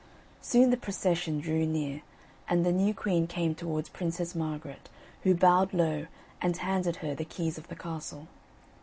Soon the procession drew near, and the new queen came towards Princess Margaret who bowed low and handed her the keys of the castle.